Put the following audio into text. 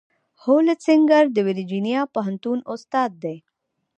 هولسینګر د ورجینیا پوهنتون استاد دی.